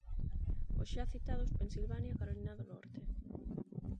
Os xa citados Pensilvania e Carolina do Norte.